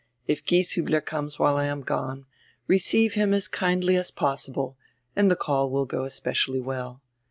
"If Gieshiibler comes while I am gone, receive him as kindly as possible and the call will go especially well.